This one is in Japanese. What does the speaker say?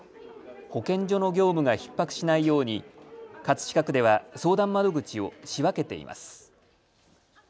保健所の業務がひっ迫しないように葛飾区では相談窓口を仕分けています。